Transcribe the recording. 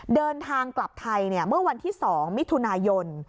เดินทางกลับไทยเมื่อวันที่๒มิถุนายน